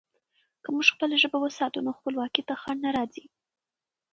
که موږ خپله ژبه وساتو، نو خپلواکي ته خنډ نه راځي.